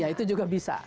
ya itu juga bisa